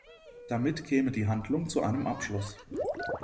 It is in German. Damit käme die Handlung zu einem Abschluss.